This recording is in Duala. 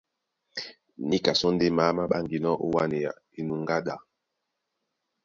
Níka sɔ́ ndé maá má ɓáŋginɔ́ ó wánea enuŋgá ɗá.